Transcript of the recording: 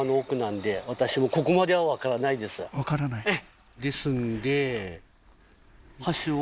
分からないあっ